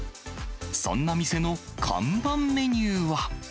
そんな店の看板メニューは。